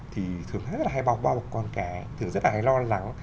thì thường thấy rất là hay bò bò một con cái thường rất là hay lo lắng